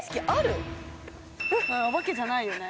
お化けじゃないよね？